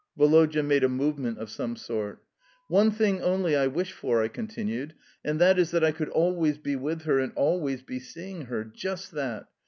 Woloda made a movement of some sort. "One thing only I wish for," I continued; "and that is that I could always be with her and always be seeing her. Just that.